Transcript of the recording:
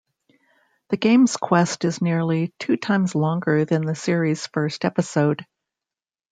The game's quest is nearly two times longer than the series' first episode.